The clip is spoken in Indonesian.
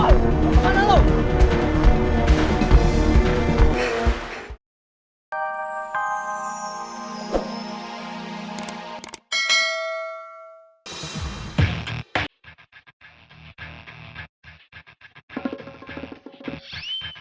tidak ada yang tahu